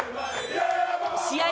試合